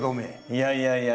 いやいやいやいや！